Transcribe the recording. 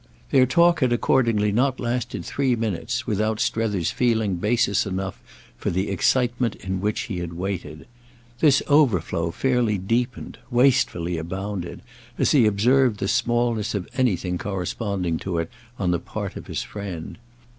Their talk had accordingly not lasted three minutes without Strether's feeling basis enough for the excitement in which he had waited. This overflow fairly deepened, wastefully abounded, as he observed the smallness of anything corresponding to it on the part of his friend.